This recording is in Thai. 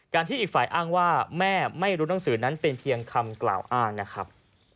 ที่อีกฝ่ายอ้างว่าแม่ไม่รู้หนังสือนั้นเป็นเพียงคำกล่าวอ้างนะครับ